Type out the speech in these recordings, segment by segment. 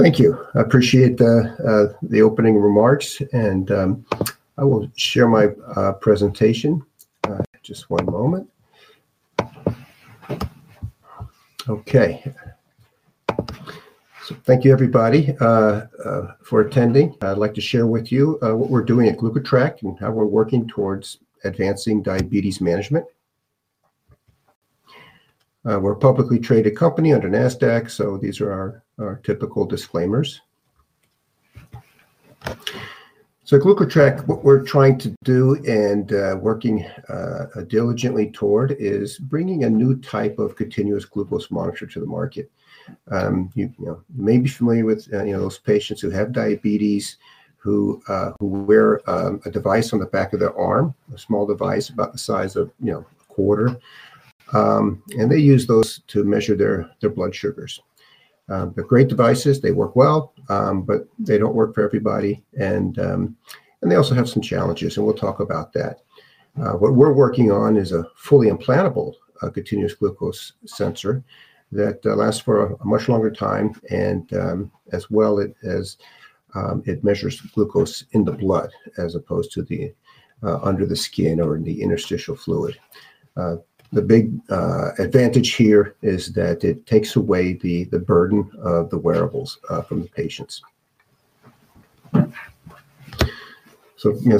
Thank you. I appreciate the opening remarks, and I will share my presentation. Just one moment. OK. Thank you, everybody, for attending. I'd like to share with you what we're doing at GlucoTrack and how we're working towards advancing diabetes management. We're a publicly traded company under NASDAQ, so these are our typical disclaimers. GlucoTrack, what we're trying to do and working diligently toward is bringing a new type of continuous blood glucose monitor to the market. You may be familiar with those patients who have diabetes, who wear a device on the back of their arm, a small device about the size of a quarter. They use those to measure their blood sugars. They're great devices. They work well, but they don't work for everybody. They also have some challenges, and we'll talk about that. What we're working on is a fully implantable continuous blood glucose monitor that lasts for a much longer time, as well as it measures glucose in the blood as opposed to under the skin or in the interstitial fluid. The big advantage here is that it takes away the burden of the wearables from the patients. As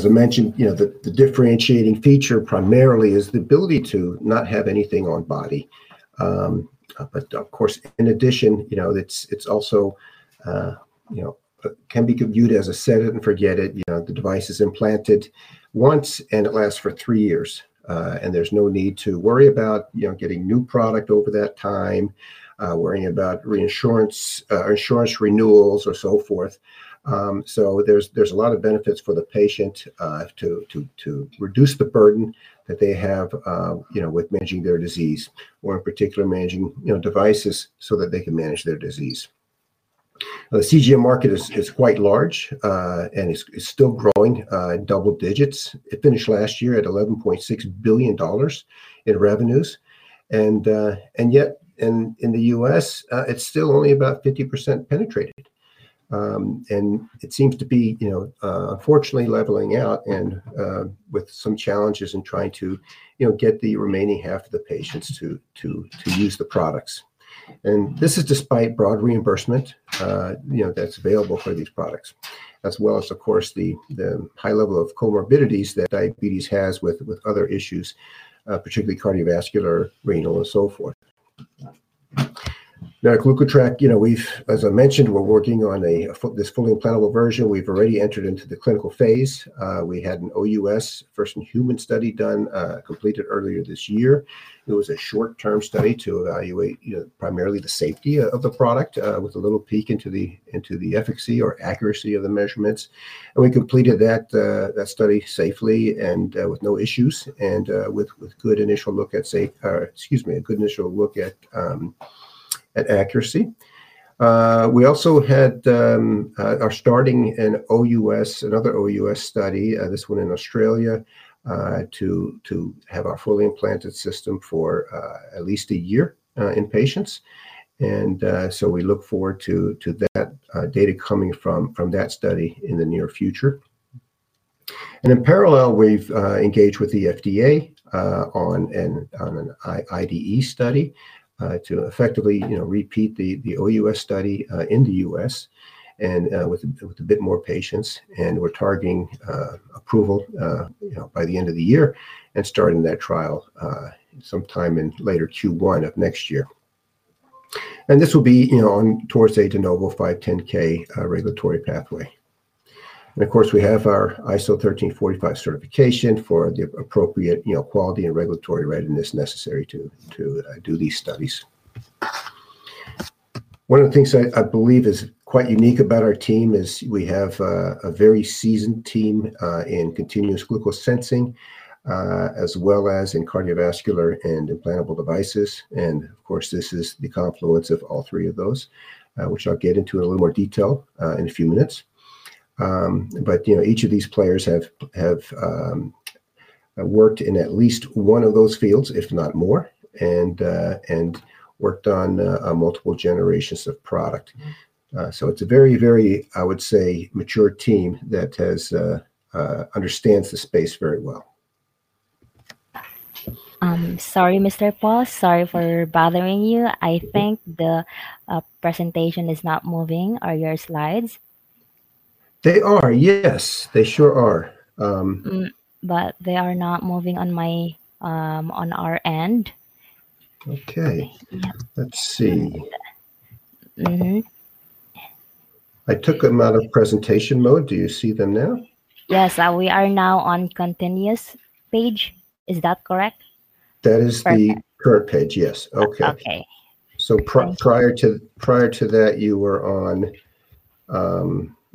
I mentioned, the differentiating feature primarily is the ability to not have anything on body. Of course, in addition, it can be viewed as a set it and forget it. The device is implanted once, and it lasts for three years. There's no need to worry about getting a new product over that time, worrying about insurance renewals or so forth. There's a lot of benefits for the patient to reduce the burden that they have with managing their disease or, in particular, managing devices so that they can manage their disease. The CGM market is quite large, and it's still growing double digits. It finished last year at $11.6 billion in revenues. Yet, in the U.S., it's still only about 50% penetrated. It seems to be, unfortunately, leveling out and with some challenges in trying to get the remaining half of the patients to use the products. This is despite broad reimbursement that's available for these products, as well as, of course, the high level of comorbidities that diabetes has with other issues, particularly cardiovascular, renal, and so forth. At GlucoTrack, as I mentioned, we're working on this fully implantable version. We've already entered into the clinical phase. We had an OUS, first-in-human study, completed earlier this year. It was a short-term study to evaluate primarily the safety of the product, with a little peek into the efficacy or accuracy of the measurements. We completed that study safely and with no issues, and with a good initial look at accuracy. We also are starting another OUS study, this one in Australia, to have our fully implanted system for at least a year in patients. We look forward to that data coming from that study in the near future. In parallel, we've engaged with the FDA on an IDE study to effectively repeat the OUS study in the U.S. and with a bit more patients. We're targeting approval by the end of the year and starting that trial sometime in later Q1 of next year. This will be on towards the Atenovo 510(k) regulatory pathway. Of course, we have our ISO 13485 certification for the appropriate quality and regulatory readiness necessary to do these studies. One of the things I believe is quite unique about our team is we have a very seasoned team in continuous glucose sensing, as well as in cardiovascular and implantable devices. This is the confluence of all three of those, which I'll get into a little more detail in a few minutes. Each of these players have worked in at least one of those fields, if not more, and worked on multiple generations of product. It's a very, very, I would say, mature team that understands the space very well. Sorry, Mr. Paul. Sorry for bothering you. I think the presentation is not moving or your slides. They are. Yes, they sure are. They are not moving on our end. OK, let's see. OK. I took them out of presentation mode. Do you see them now? Yes, we are now on continuous page. Is that correct? That is the current page. Yes. OK. Prior to that, you were on,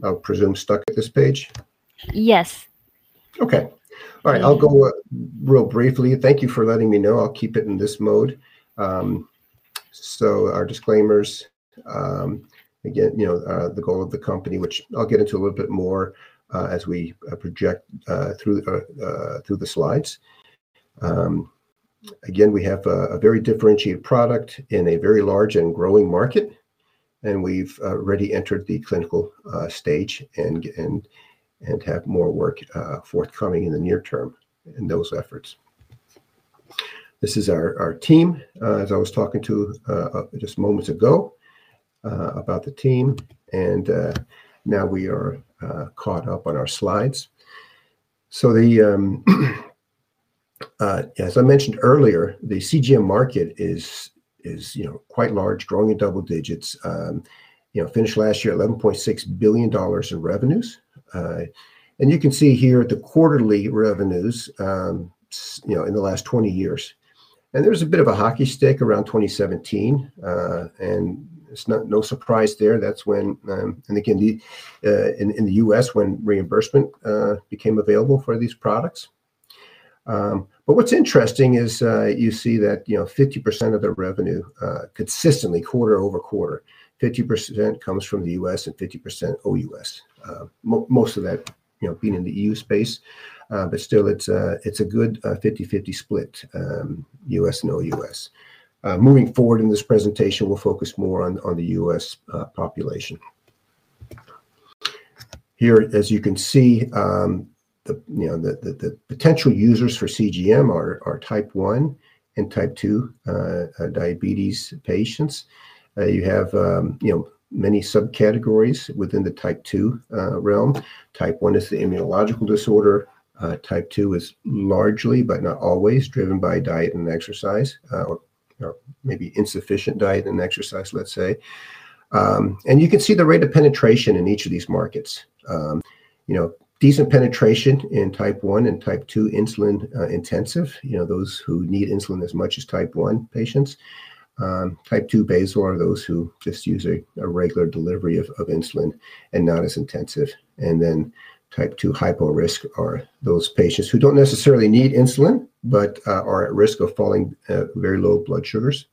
I would presume, stuck at this page? Yes. OK. All right. I'll go real briefly. Thank you for letting me know. I'll keep it in this mode. Our disclaimers, again, the goal of the company, which I'll get into a little bit more as we project through the slides. We have a very differentiated product in a very large and growing market. We've already entered the clinical stage and have more work forthcoming in the near term in those efforts. This is our team, as I was talking to just moments ago about the team. Now we are caught up on our slides. As I mentioned earlier, the CGM market is quite large, growing in double digits. Finished last year, $11.6 billion in revenues. You can see here the quarterly revenues in the last 20 years. There was a bit of a hockey stick around 2017. It's no surprise there. That's when, in the U.S., reimbursement became available for these products. What's interesting is you see that 50% of the revenue consistently, quarter over quarter, 50% comes from the U.S. and 50% OUS. Most of that being in the EU space. Still, it's a good 50/50 split, U.S. and OUS. Moving forward in this presentation, we'll focus more on the U.S. population. Here, as you can see, the potential users for CGM are type 1 and type 2 diabetes patients. You have many subcategories within the type 2 realm. Type 1 is the immunological disorder. Type 2 is largely, but not always, driven by diet and exercise, or maybe insufficient diet and exercise, let's say. You can see the rate of penetration in each of these markets. These are penetration in type 1 and type 2 insulin-intensive, those who need insulin as much as type 1 patients. Type 2 basal are those who just use a regular delivery of insulin and not as intensive. Type 2 hyper-risk are those patients who don't necessarily need insulin but are at risk of falling very low blood sugars.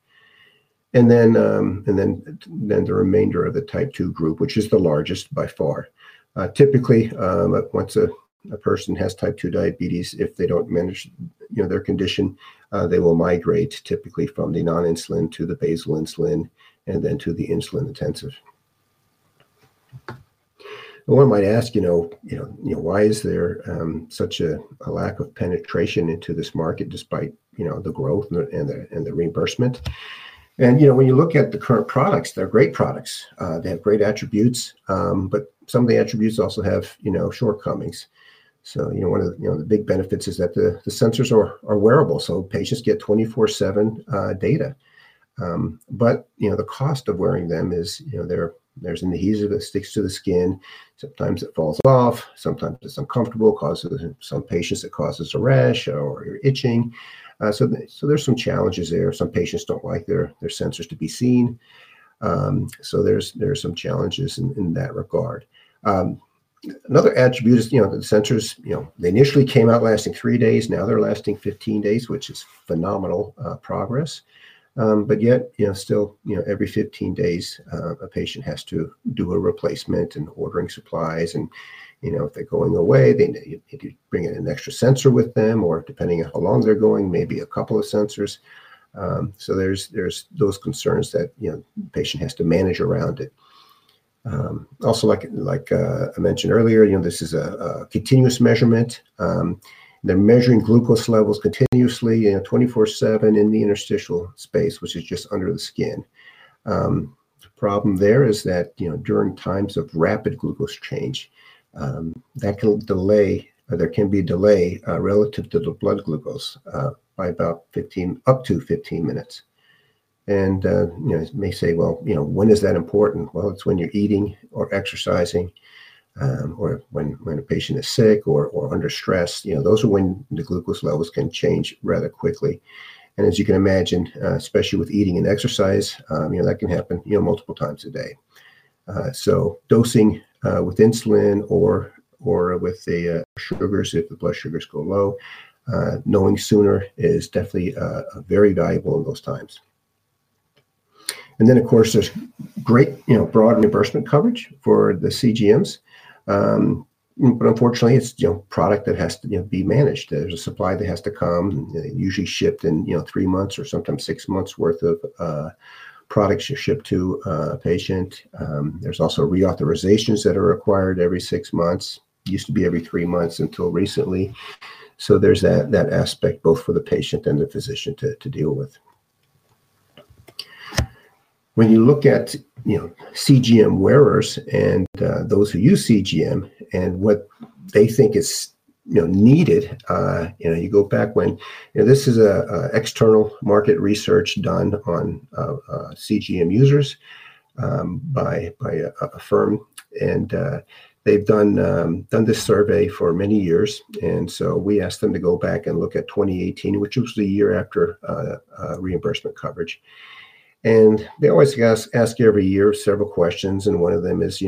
The remainder of the type 2 group, which is the largest by far. Typically, once a person has type 2 diabetes, if they don't manage their condition, they will migrate typically from the non-insulin to the basal insulin and then to the insulin-intensive. One might ask, you know, why is there such a lack of penetration into this market despite the growth and the reimbursement? When you look at the current products, they're great products. They have great attributes. Some of the attributes also have shortcomings. One of the big benefits is that the sensors are wearable, so patients get 24/7 data. The cost of wearing them is there's an adhesive that sticks to the skin. Sometimes it falls off. Sometimes it's uncomfortable. Some patients, it causes a rash or itching. There are some challenges there. Some patients don't like their sensors to be seen. There are some challenges in that regard. Another attribute is the sensors, they initially came out lasting three days. Now they're lasting 15 days, which is phenomenal progress. Yet, still, every 15 days, a patient has to do a replacement and ordering supplies. If they're going away, they need to bring in an extra sensor with them, or depending on how long they're going, maybe a couple of sensors. There are those concerns that the patient has to manage around it. Also, like I mentioned earlier, this is a continuous measurement. They're measuring glucose levels continuously, 24/7 in the interstitial space, which is just under the skin. The problem there is that during times of rapid glucose change, there can be a delay relative to the blood glucose by about 15, up to 15 minutes. You may say, when is that important? It's when you're eating or exercising or when a patient is sick or under stress. Those are when the glucose levels can change rather quickly. As you can imagine, especially with eating and exercise, that can happen multiple times a day. Dosing with insulin or with the sugars, if the blood sugars go low, knowing sooner is definitely very valuable in those times. Of course, there's great broad reimbursement coverage for the CGMs. Unfortunately, it's a product that has to be managed. There's a supply that has to come, usually shipped in three months or sometimes six months' worth of products shipped to a patient. There are also reauthorizations that are required every six months. It used to be every three months until recently. There is that aspect, both for the patient and the physician, to deal with. When you look at CGM wearers and those who use CGM and what they think is needed, you go back when this is an external market research done on CGM users by a firm. They've done this survey for many years. We asked them to go back and look at 2018, which was the year after reimbursement coverage. They always ask it every year, several questions. One of them is,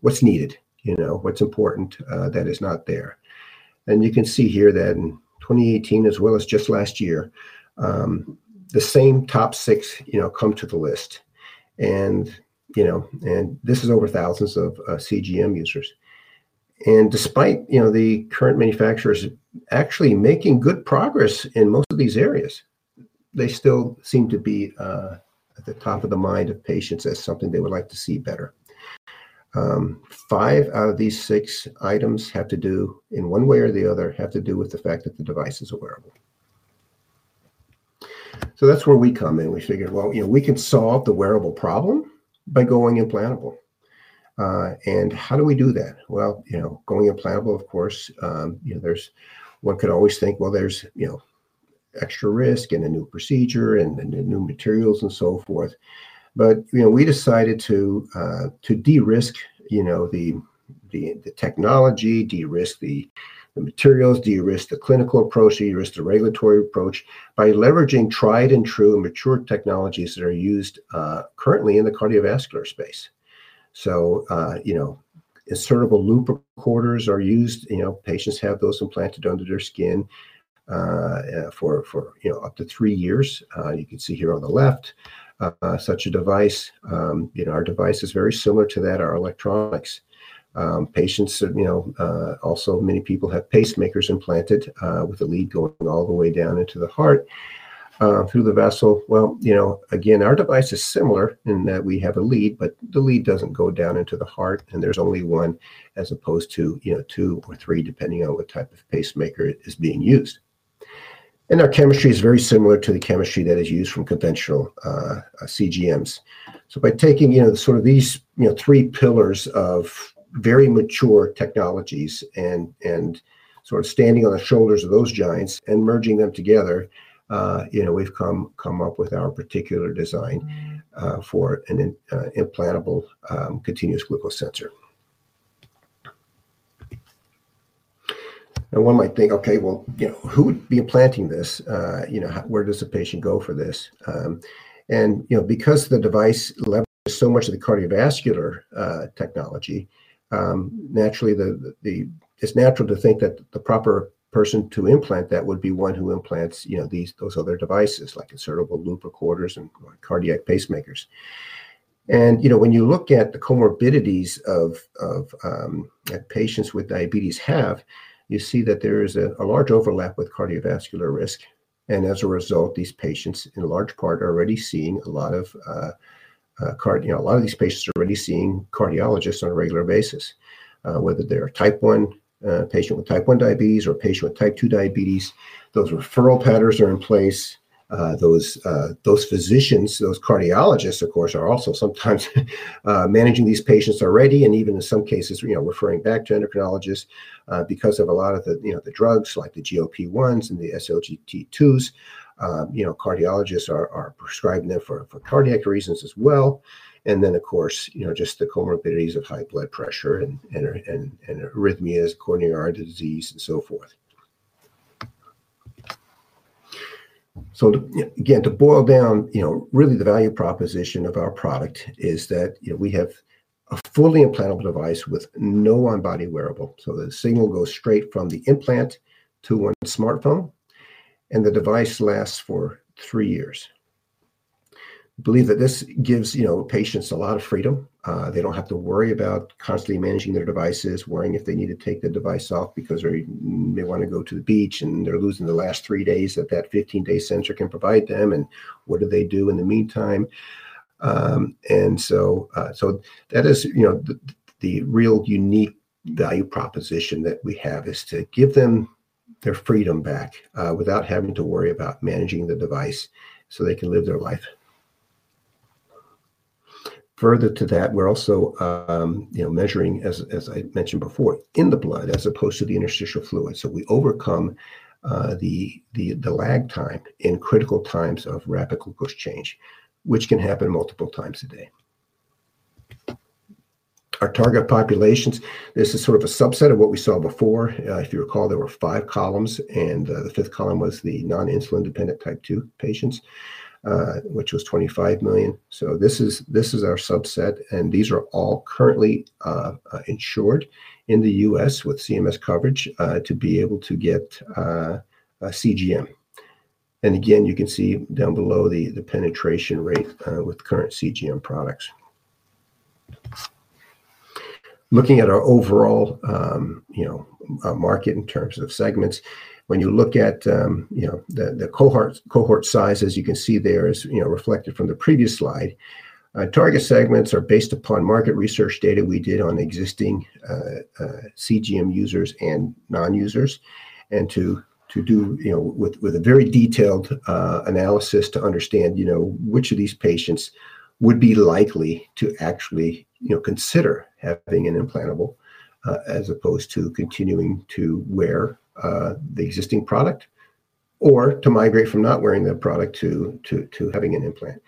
what's needed? What's important that is not there? You can see here that in 2018, as well as just last year, the same top six come to the list. This is over thousands of CGM users. Despite the current manufacturers actually making good progress in most of these areas, they still seem to be at the top of the mind of patients as something they would like to see better. Five out of these six items have to do, in one way or the other, with the fact that the device is a wearable. That is where we come in. We figure we could solve the wearable problem by going implantable. How do we do that? Going implantable, of course, one could always think there is extra risk and a new procedure and new materials and so forth. We decided to de-risk the technology, de-risk the materials, de-risk the clinical approach, de-risk the regulatory approach by leveraging tried and true and mature technologies that are used currently in the cardiovascular space. Insertable loop recorders are used. Patients have those implanted under their skin for up to three years. You can see here on the left such a device. Our device is very similar to that, our electronics. Also, many people have pacemakers implanted with a lead going all the way down into the heart through the vessel. Our device is similar in that we have a lead, but the lead does not go down into the heart. There is only one, as opposed to two or three, depending on what type of pacemaker is being used. Our chemistry is very similar to the chemistry that is used from conventional CGMs. By taking these three pillars of very mature technologies and standing on the shoulders of those giants and merging them together, we have come up with our particular design for an implantable continuous glucose sensor. One might think, OK, who would be implanting this? Where does the patient go for this? Because the device leverages so much of the cardiovascular technology, it is natural to think that the proper person to implant that would be one who implants those other devices, like insertable loop recorders and cardiac pacemakers. When you look at the comorbidities that patients with diabetes have, you see that there is a large overlap with cardiovascular risk. As a result, these patients, in large part, are already seeing a lot of cardiologists on a regular basis, whether they are a patient with type 1 diabetes or a patient with type 2 diabetes. Those referral patterns are in place. Those physicians, those cardiologists, of course, are also sometimes managing these patients already. In some cases, referring back to endocrinologists because of a lot of the drugs, like the GLP-1s and the SGLT-2s. Cardiologists are prescribing them for cardiac reasons as well. Of course, just the comorbidities of high blood pressure and arrhythmias, coronary artery disease, and so forth. To boil down, really, the value proposition of our product is that we have a fully implantable device with no on-body wearable. The signal goes straight from the implant to one's smartphone, and the device lasts for three years. I believe that this gives patients a lot of freedom. They don't have to worry about constantly managing their devices, worrying if they need to take the device off because they want to go to the beach and they're losing the last three days that that 15-day sensor can provide them. What do they do in the meantime? That is the real unique value proposition that we have, to give them their freedom back without having to worry about managing the device so they can live their life. Further to that, we're also measuring, as I mentioned before, in the blood, as opposed to the interstitial fluid. We overcome the lag time in critical times of rapid glucose change, which can happen multiple times a day. Our target populations, this is sort of a subset of what we saw before. If you recall, there were five columns. The fifth column was the non-insulin-dependent type 2 patients, which was 25 million. This is our subset. These are all currently insured in the U.S. with CMS coverage to be able to get a CGM. You can see down below the penetration rate with current CGM products. Looking at our overall market in terms of segments, when you look at the cohort size, as you can see there is reflected from the previous slide, our target segments are based upon market research data we did on existing CGM users and non-users and to do with a very detailed analysis to understand which of these patients would be likely to actually consider having an implantable, as opposed to continuing to wear the existing product or to migrate from not wearing that product to having an implant.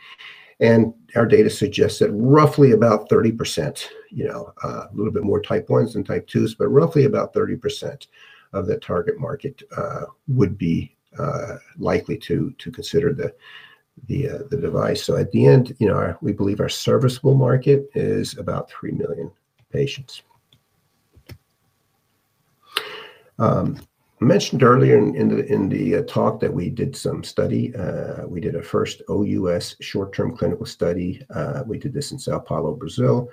Our data suggests that roughly about 30%, a little bit more type 1s than type 2s, but roughly about 30% of the target market would be likely to consider the device. At the end, we believe our serviceable market is about 3 million patients. I mentioned earlier in the talk that we did some study. We did a first OUS short-term clinical study. We did this in São Paulo, Brazil,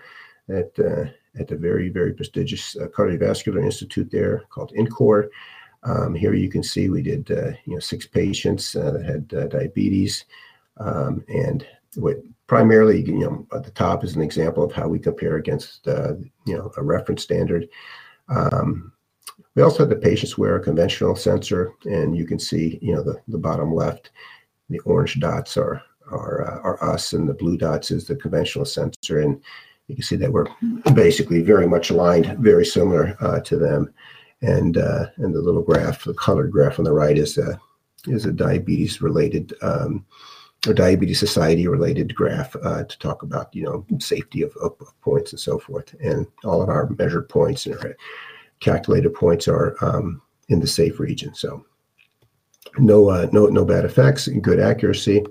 at the very, very prestigious cardiovascular institute there called Instituto do Coração (InCor). Here, you can see we did six patients that had diabetes. Primarily, at the top is an example of how we compare against a reference standard. We also had the patients wear a conventional sensor. You can see the bottom left, the orange dots are us, and the blue dots are the conventional sensor. You can see that we're basically very much aligned, very similar to them. The little graph, the colored graph on the right, is a diabetes-related, diabetes society-related graph to talk about safety of points and so forth. All of our measured points and calculated points are in the safe region. No bad effects and good accuracy.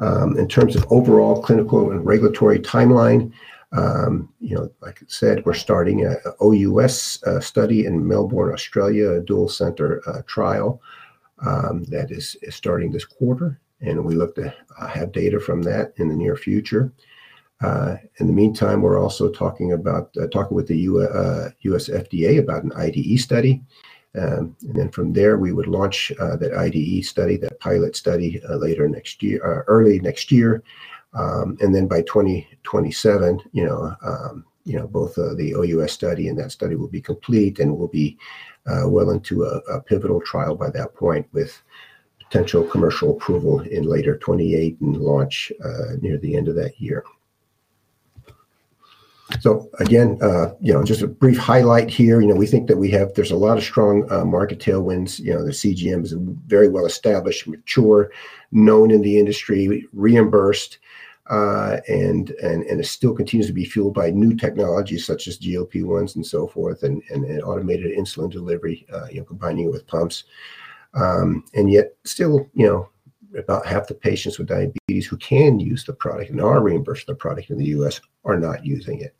In terms of overall clinical and regulatory timeline, like I said, we're starting an OUS study in Melbourne, Australia, a dual-center trial that is starting this quarter. We look to have data from that in the near future. In the meantime, we're also talking with the U.S. FDA about an Investigational Device Exemption (IDE) study. From there, we would launch the IDE study, that pilot study, early next year. By 2027, both the OUS study and that study will be complete. We'll be well into a pivotal trial by that point with potential commercial approval in later 2028 and launch near the end of that year. Again, just a brief highlight here. We think that we have a lot of strong market tailwinds. The continuous blood glucose monitor (CGM) is very well established, mature, known in the industry, reimbursed, and still continues to be fueled by new technologies such as GLP-1s and automated insulin delivery, combining it with pumps. Yet, about half the patients with diabetes who can use the product and are reimbursed for the product in the U.S. are not using it.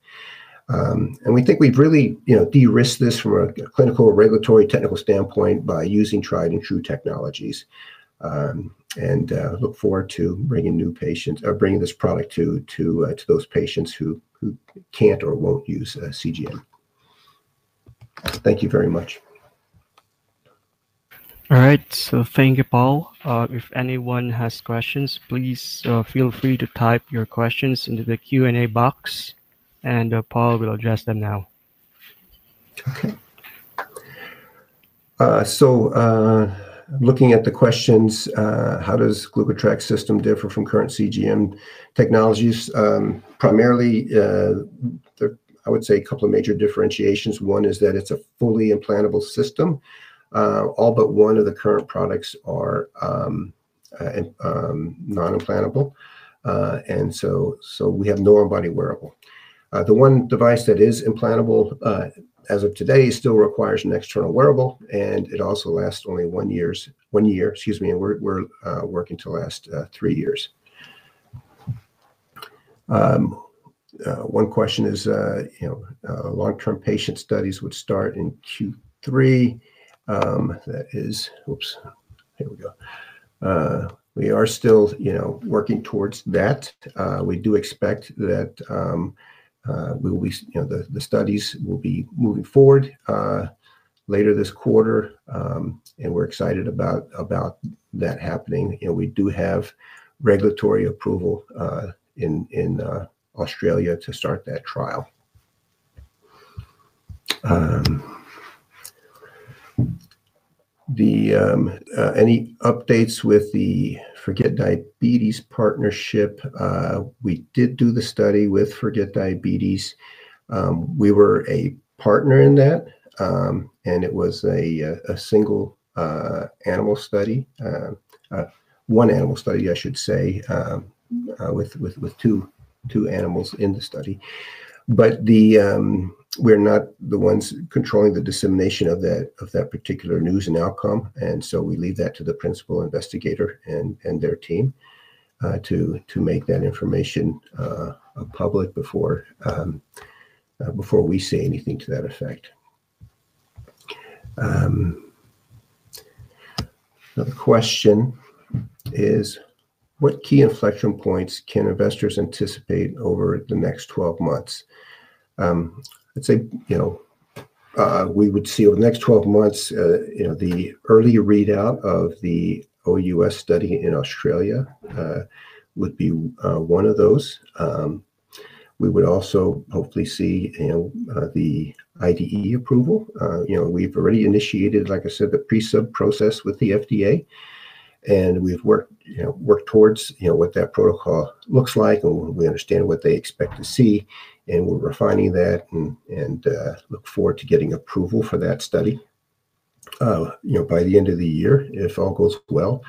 We think we've really de-risked this from a clinical and regulatory technical standpoint by using tried and true technologies and look forward to bringing this product to those patients who can't or won't use CGM. Thank you very much. All right. Thank you, Paul. If anyone has questions, please feel free to type your questions into the Q&A box. Paul will address them now. Looking at the questions, how does the GlucoTrack system differ from current CGM technologies? Primarily, I would say a couple of major differentiations. One is that it's a fully implantable system. All but one of the current products are non-implantable, so we have no on-body wearable. The one device that is implantable, as of today, still requires an external wearable, and it also lasts only one year. Excuse me. We're working to last three years. One question is long-term patient studies would start in Q3. Here we go. We are still working towards that. We do expect that the studies will be moving forward later this quarter, and we're excited about that happening. We do have regulatory approval in Australia to start that trial. Any updates with the Forget Diabetes partnership? We did do the study with Forget Diabetes. We were a partner in that, and it was a single animal study, one animal study, I should say, with two animals in the study. We're not the ones controlling the dissemination of that particular news and outcome, so we leave that to the principal investigator and their team to make that information public before we say anything to that effect. The question is, what key inflection points can investors anticipate over the next 12 months? We would see over the next 12 months the early readout of the OUS study in Australia would be one of those. We would also hopefully see the IDE approval. We've already initiated, like I said, the pre-sub process with the FDA, and we've worked towards what that protocol looks like. We understand what they expect to see, and we're refining that and look forward to getting approval for that study by the end of the year, if all goes well.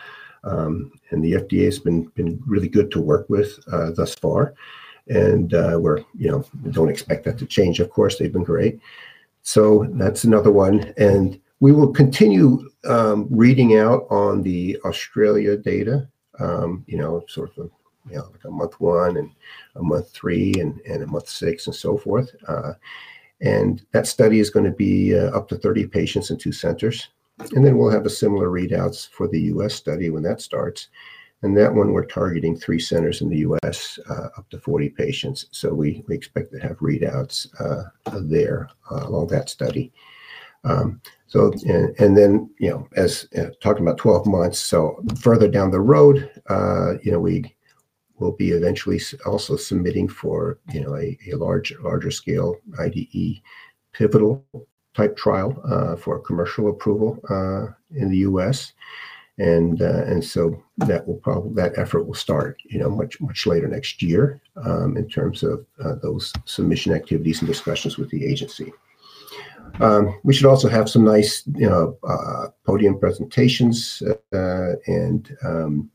The FDA has been really good to work with thus far, and we don't expect that to change. Of course, they've been great. That's another one. We will continue reading out on the Australia data, sort of like a month one and a month three and a month six and so forth. That study is going to be up to 30 patients in two centers. We'll have a similar readout for the U.S. study when that starts, and that one, we're targeting three centers in the U.S., up to 40 patients. We expect to have readouts there on that study. As I talked about, 12 months. Further down the road, we will be eventually also submitting for a larger scale IDE pivotal type trial for commercial approval in the U.S. That effort will start much later next year in terms of those submission activities and discussions with the agency. We should also have some nice podium presentations and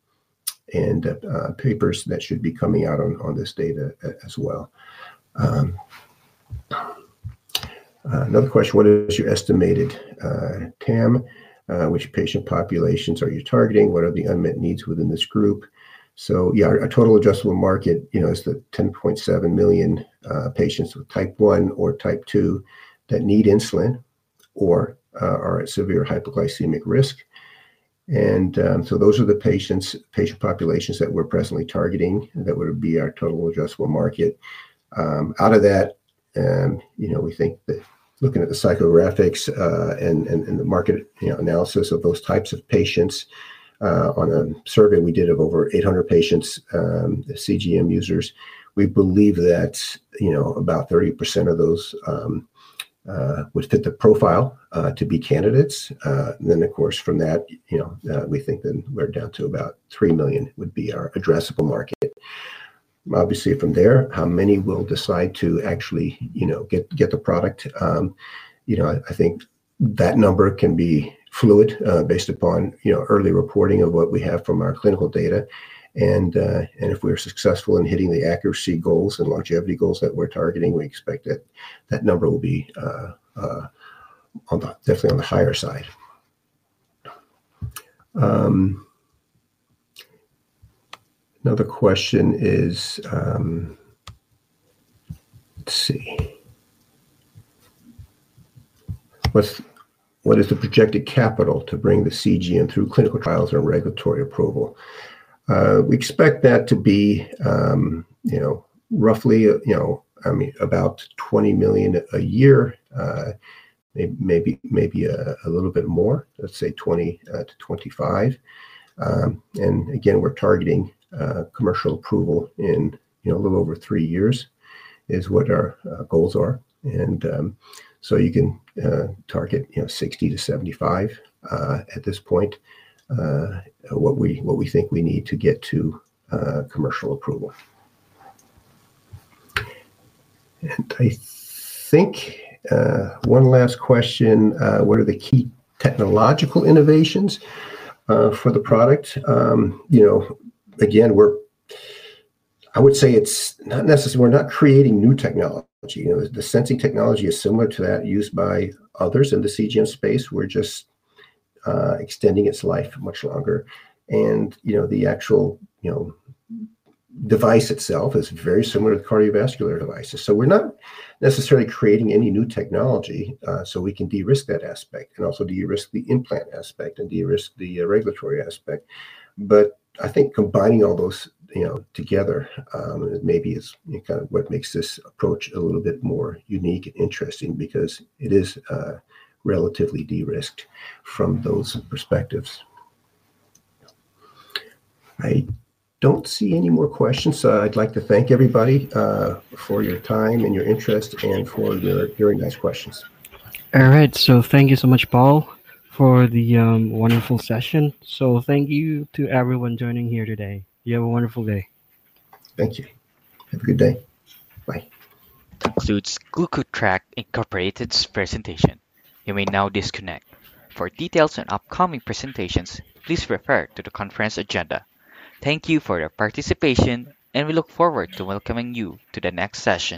papers that should be coming out on this data as well. Another question, what is your estimated TAM? Which patient populations are you targeting? What are the unmet needs within this group? Our total addressable market is the 10.7 million patients with type 1 or type 2 that need insulin or are at severe hypoglycemic risk. Those are the patient populations that we're presently targeting; that would be our total addressable market. Out of that, looking at the psychographics and the market analysis of those types of patients on a survey we did of over 800 patients, CGM users, we believe that about 30% of those would fit the profile to be candidates. From that, we're down to about 3 million, which would be our addressable market. Obviously, from there, how many will decide to actually get the product? That number can be fluid based upon early reporting of what we have from our clinical data. If we're successful in hitting the accuracy goals and longevity goals that we're targeting, we expect that number will be definitely on the higher side. Another question is, what is the projected capital to bring the CGM through clinical trials or regulatory approval? We expect that to be roughly about $20 million a year, maybe a little bit more, let's say $20 to $25 million. Again, we're targeting commercial approval in a little over three years, which is what our goals are. You can target $60 to $75 million at this point, which we think we need to get to commercial approval. One last question, what are the key technological innovations for the product? I would say it's not necessarily that we're creating new technology. The sensor technology is similar to that used by others in the CGM space. We're just extending its life much longer. The actual device itself is very similar to cardiovascular devices. We're not necessarily creating any new technology, so we can de-risk that aspect and also de-risk the implant aspect and de-risk the regulatory aspect. Combining all those together is maybe what makes this approach a little bit more unique and interesting because it is relatively de-risked from those perspectives. I don't see any more questions. I would like to thank everybody for your time and your interest, and for your very nice questions. All right. Thank you so much, Paul, for the wonderful session. Thank you to everyone joining here today. You have a wonderful day. Thank you. Have a good day. Bye. Concludes GlucoTrack Inc.'s presentation. You may now disconnect. For details and upcoming presentations, please refer to the conference agenda. Thank you for your participation. We look forward to welcoming you to the next session.